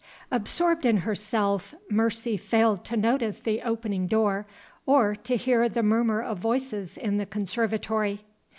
ABSORBED in herself, Mercy failed to notice the opening door or to hear the murmur of voices in the conservatory.